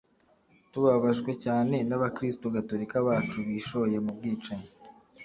tubabajwe cyane n’abakristu gatolika bacu bishoye mu bwicanyi